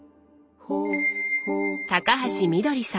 高橋みどりさん。